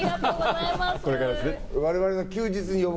これからですね。